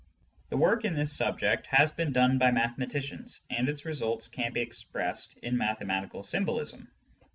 The work in this subject has been done by mathematicians, and its results can be expressed in mathematical symbolism.